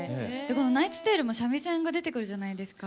「ナイツ・テイル」も三味線が出てくるじゃないですか。